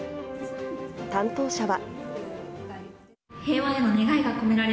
担当者は。